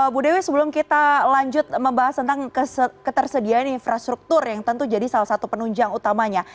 bu dewi sebelum kita lanjut membahas tentang ketersediaan infrastruktur yang tentu jadi salah satu penunjang utamanya